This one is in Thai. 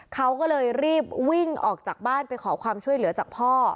เขาก็เลยรีบวิ่งออกจากบ้านไปขอความช่วยเหลือจากพ่อ